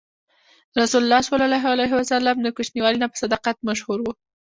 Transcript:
رسول الله ﷺ د کوچنیوالي نه په صداقت مشهور و.